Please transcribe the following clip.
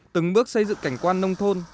từng bước xây dựng cảnh quan nông thôn